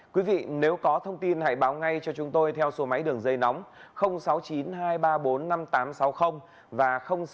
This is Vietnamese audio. quý vị nếu có thông tin hãy báo ngay cho chúng tôi theo số máy đường dây nóng sáu mươi chín hai trăm ba mươi bốn năm nghìn tám trăm sáu mươi và sáu mươi chín hai trăm ba mươi một một nghìn sáu trăm